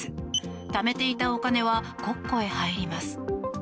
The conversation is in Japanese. ためていたお金は国庫へ入ります。